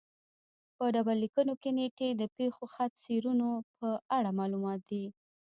په ډبرلیکونو کې نېټې د پېښو خط سیرونو په اړه معلومات دي